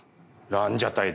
ランジャタイ。